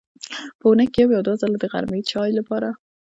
په اوونۍ کې یو یا دوه ځله د غرمې چای لپاره.